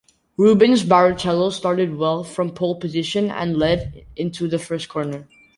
Rubens Barrichello started well from pole position and led into the first corner.